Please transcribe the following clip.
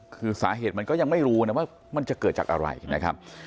คือสาเหตุมันก็ยังไม่รู้นะว่ามันจะเกิดจากอะไรนะครับ